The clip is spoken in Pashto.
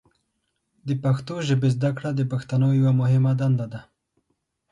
د پښتو ژبې زده کړه د پښتنو یوه مهمه دنده ده.